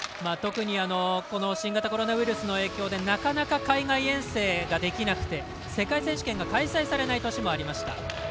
特に新型コロナウイルスの影響でなかなか海外遠征ができなくて世界選手権が開催されない年もありました。